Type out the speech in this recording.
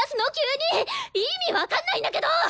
意味分かんないんだけど！